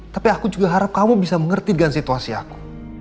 tapi aku juga harap kamu bisa mengerti dengan situasi aku